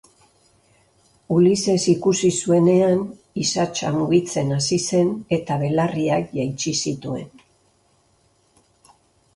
Ulises ikusi zuenean, isatsa mugitzen hasi zen eta belarriak jaitsi zituen.